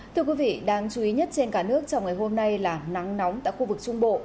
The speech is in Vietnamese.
thưa quý vị đáng chú ý nhất trên cả nước trong ngày hôm nay là nắng nóng tại khu vực trung bộ